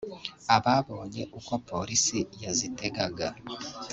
Ababonye uko Polisi yazitegaga